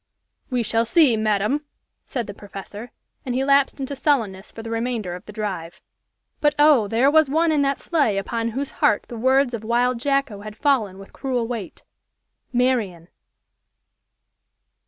"We shall see, madam!" said the professor, and he lapsed into sullenness for the remainder of the drive. But, oh! there was one in that sleigh upon whose heart the words of wild Jacko had fallen with cruel weight Marian!